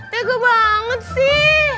tego banget sih